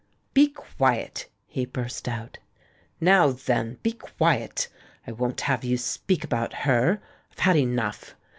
"Be quiet!" he burst out. "Now, then, be quiet! I won't have you speak about her. I've had enough!"